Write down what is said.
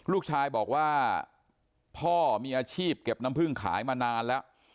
ลูกชายบอกว่าพ่อมีอาชีพเก็บน้ำผึ้งขายมานานแล้ว